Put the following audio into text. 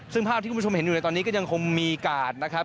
ซึ่งภาพที่คุณผู้ชมเห็นอยู่ในตอนนี้ก็ยังคงมีกาดนะครับ